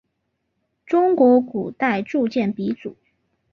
中国古代铸剑鼻祖。